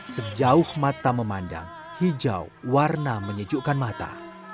sejauh mata memandang hijau warna menyejukkan mata